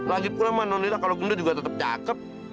lagipula sama nonila kalau gendut juga tetap cakep